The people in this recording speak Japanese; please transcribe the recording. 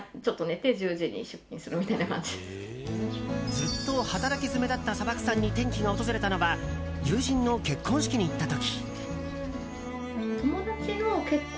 ずっと働きづめだった砂漠さんに転機が訪れたのは友人の結婚式に行った時。